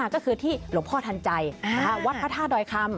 ก็คือที่หลวงพ่อทันใจวัดพระธาตุดอยคำ